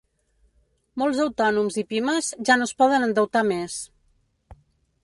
Molts autònoms i pimes ja no es poden endeutar més.